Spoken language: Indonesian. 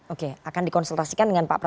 oke akan dikonsultasikan dengan pak prabowo